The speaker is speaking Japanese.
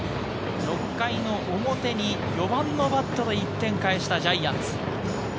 ６回の表に４番のバットで１点返したジャイアンツ。